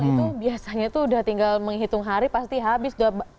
itu biasanya itu udah tinggal menghitung hari pasti habis